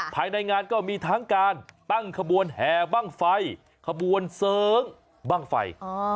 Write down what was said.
ภายในงานก็มีทั้งการตั้งขบวนแห่บ้างไฟขบวนเสริงบ้างไฟ